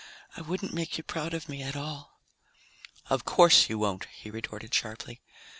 I wouldn't make you proud of me at all." "Of course you won't," he retorted sharply.